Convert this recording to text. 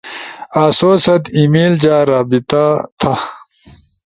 آسو ست ای میل جا رابطہ تھے